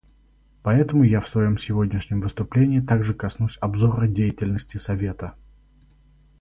Поэтому я в своем сегодняшнем выступлении также коснусь обзора деятельности Совета.